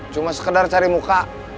cuma sekedar cari muka